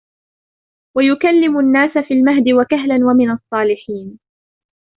وَيُكَلِّمُ النَّاسَ فِي الْمَهْدِ وَكَهْلًا وَمِنَ الصَّالِحِينَ